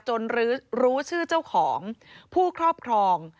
รู้ชื่อเจ้าของผู้ครอบครอง